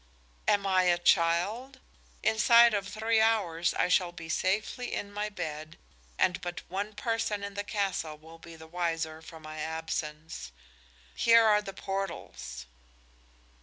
"Am I a child? Inside of three hours I shall be safely in my bed and but one person in the castle will be the wiser for my absence. Here are the portals."